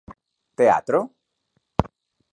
Teatro?